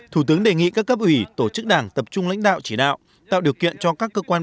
thủ tướng đề nghị các cấp ủy tổ chức đảng tập trung lãnh đạo chỉ đạo tạo điều kiện cho các cơ quan